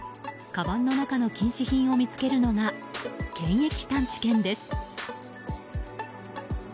かばんの中の禁止品を見つけるのが検疫探知犬です。